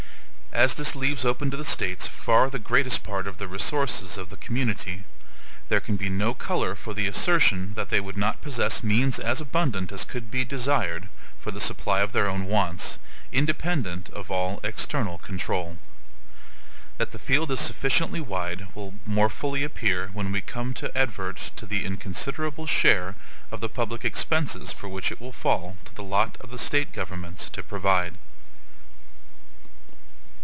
As this leaves open to the States far the greatest part of the resources of the community, there can be no color for the assertion that they would not possess means as abundant as could be desired for the supply of their own wants, independent of all external control. That the field is sufficiently wide will more fully appear when we come to advert to the inconsiderable share of the public expenses for which it will fall to the lot of the State governments to provide.